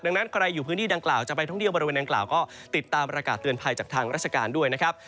ดังนั้นใครอยู่พื้นที่ดังกล่าวจะไปท่องเที่ยวบริเวณดังกล่าวก็ติดตามประกาศเตือนภัยจากทางราชการด้วยนะครับ